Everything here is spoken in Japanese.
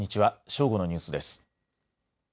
正午のニュースです。